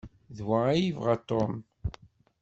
D wa ay yebɣa Tom.